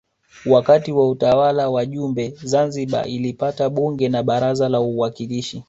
Wakati wa utawala wa Jumbe Zanzibar ilipata Bunge na Baraza la Uwakilishi